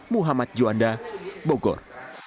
muhammad juanda bogor